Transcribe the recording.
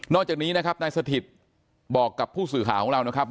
จากนี้นะครับนายสถิตบอกกับผู้สื่อข่าวของเรานะครับ